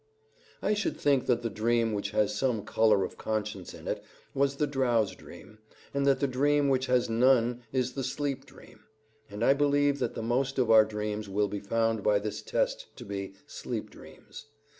I should think that the dream which has some color of conscience in it was the drowse dream, and that the dream which has none is the sleep dream; and I believe that the most of our dreams will be found by this test to be sleep dreams.